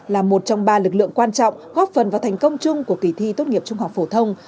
là một trong ba lực lượng quan trọng góp phần vào thành công chung của kỳ thi tốt nghiệp trung học phổ thông